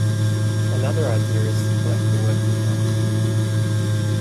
Another idea is to collect the working mass.